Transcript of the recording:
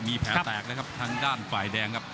มีแผลแตกเลยครับทางด้านฝ่ายแดงครับ